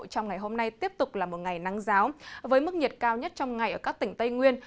trong ngày hôm nay tiếp tục là một ngày nắng giáo với mức nhiệt cao nhất trong ngày ở các tỉnh tây nguyên